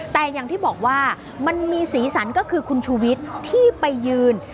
แต่อย่างที่บอกว่ามันมีสีสันก็คือคุณชูวิทย์ที่ไปยืน